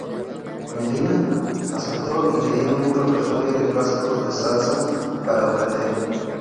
Melina aceptó y le dieron un repertorio de clásicos de salsa para aprender.